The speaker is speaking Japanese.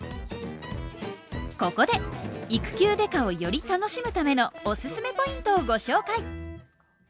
ここで「育休刑事」をより楽しむためのおすすめポイントをご紹介。